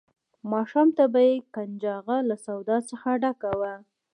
ماښام ته به یې کنجغه له سودا څخه ډکه وه.